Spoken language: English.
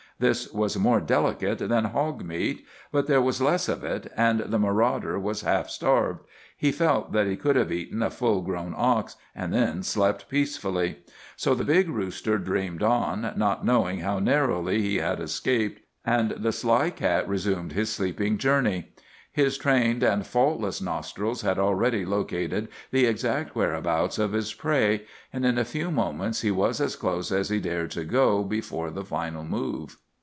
This was more delicate than hog meat, but there was less of it, and the marauder was half starved—he felt that he could have eaten a full grown ox, and then slept peacefully. So the big rooster dreamed on, not knowing how narrowly he had escaped, and the sly cat resumed his creeping journey. His trained and faultless nostrils had already located the exact whereabouts of his prey, and in a few moments he was as close as he dared to go before the final move.